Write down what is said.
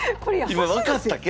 今分かったけど。